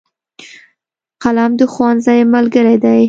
قلم د ښوونځي ملګری دی.